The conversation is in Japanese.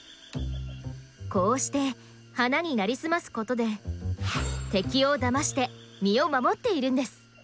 こうして花になりすますことで敵をだまして身を守っているんです。